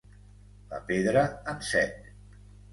La pedra en sec.